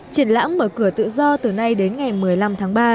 triển lãm mở cửa tự do từ nay đến ngày một mươi năm tháng ba